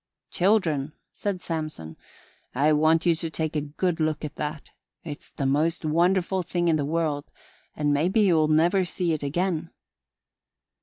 ... "Children," said Samson, "I want you to take a good look at that. It's the most wonderful thing in the world and maybe you'll never see it again."